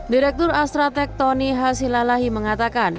direktur astra tech tony hasilalahi mengatakan